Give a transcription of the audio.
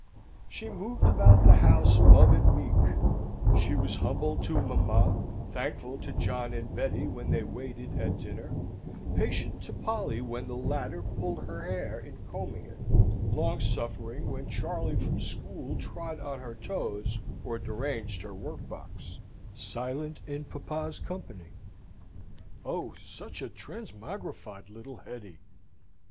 She moved about the house mum and meek. She was humble to mamma; thankful to John and Betty when they waited at dinner; patient to Polly when the latter pulled her hair in combing it; long suffering when Charley from school trod on her toes, or deranged her workbox; silent in papa's company, oh, such a transmogrified little Hetty!